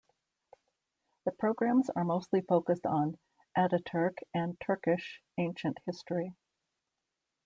The programmes are mostly focused on Ataturk and Turkish ancient history.